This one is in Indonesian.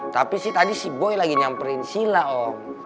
tapi sih tadi si boy lagi nyamperin sila om